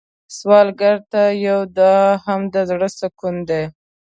سوالګر ته یو دعا هم د زړه سکون دی